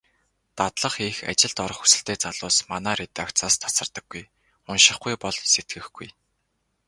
Дадлага хийх, ажилд орох хүсэлтэй залуус манай редакцаас тасардаггүй. УНШИХГҮЙ БОЛ СЭТГЭХГҮЙ.